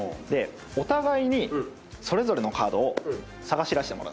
お互いにそれぞれのカードを捜し出してもらうと。